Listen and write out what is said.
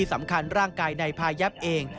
สำคัญร่างกายนายพายับเอง